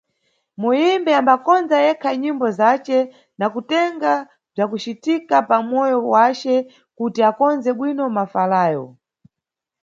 Muyimbi ambakondza yekha nyimbo zace na kutenga bzwakucitika pamoyo wace kuti akondze bwino mafalayo.